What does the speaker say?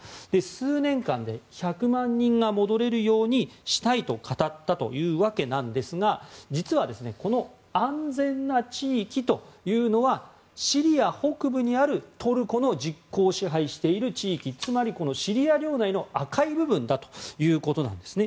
数年間で１００万人が戻れるようにしたいと語ったというわけですが実は、この安全な地域というのはシリア北部にあるトルコが実効支配している地域つまり、シリア領内の赤い部分だということです。